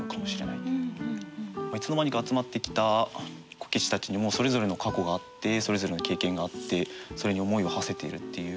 いつの間にか集まってきたこけしたちにもそれぞれの過去があってそれぞれの経験があってそれに思いをはせているっていう。